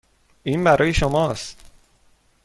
این برای شماست.